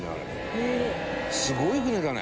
すごい船だね！